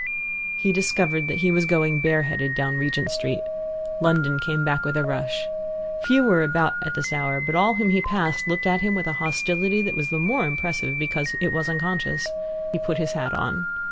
He discovered that he was going bareheaded down Regent Street. London came back with a rush. Few were about at this hour, but all whom he passed looked at him with a hostility that was the more impressive because it was unconscious. He put his hat on.